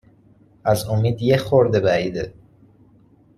از امید یه خورده بعیده